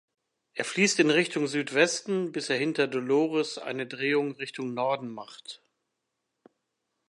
Er fließt in Richtung Südwesten bis er hinter Dolores eine Drehung Richtung Norden macht.